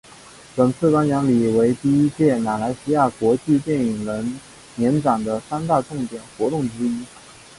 本次颁奖礼为第一届马来西亚国际电影人年展的三大重点活动之一。